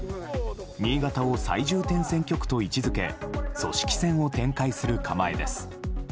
新潟を最重点選挙区と位置づけ組織戦を展開する構えです。